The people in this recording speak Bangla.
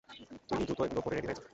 তুই দ্রুত এগুলো পড়ে রেডি হয়ে যা।